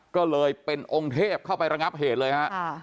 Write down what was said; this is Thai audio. ก็เลยเป็นองค์เทพเข้าไประงับเหตุเลยฮะ